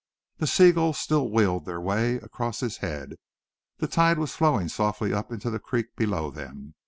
The seagulls still wheeled their way across his head. The tide was flowing softly up into the creek below them.